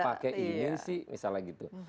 masa nggak pakai ini sih misalnya gitu